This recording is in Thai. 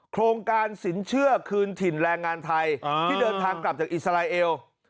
โครงการสินเชื่อคืนถิ่นแรงงานไทยที่เดินทางกลับจากอิสราเอล